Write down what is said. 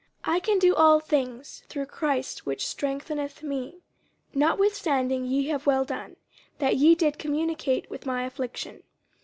50:004:013 I can do all things through Christ which strengtheneth me. 50:004:014 Notwithstanding ye have well done, that ye did communicate with my affliction.